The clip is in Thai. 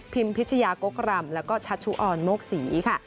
พิชยากกรำแล้วก็ชัชชุออนโมกศรีค่ะ